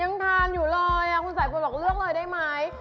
ยังทานอยู่เลยคุณสายพลบอกเลือกเลยได้ไหม